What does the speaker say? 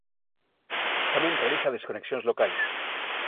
Tamén realiza desconexións locais.